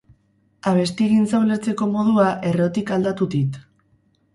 Abestigintza ulertzeko modua errotik aldatu dit.